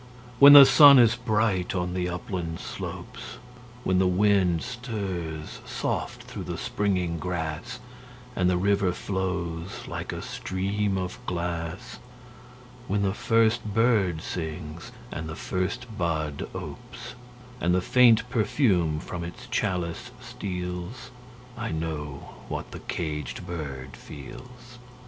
When the sun is bright on the upland slopes; When the wind stirs soft through the springing grass, And the river flows like a stream of glass; When the first bird sings and the first bud opes, And the faint perfume from its chalice steals I know what the caged bird feels!